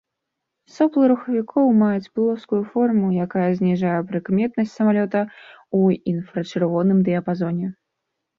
Соплы рухавікоў маюць плоскую форму, якая зніжае прыкметнасць самалёта ў інфрачырвоным дыяпазоне.